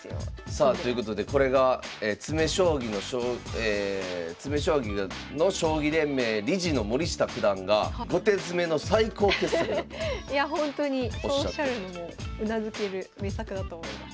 さあということでこれが詰将棋の将棋連盟理事の森下九段がいやほんとにそうおっしゃるのもうなずける名作だと思います。